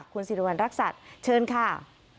คุณสิริวัณรักษัตริย์เชิญค่ะ